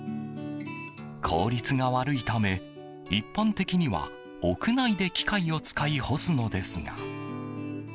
効率が悪いため一般的には屋内で機械を使い干すのですが。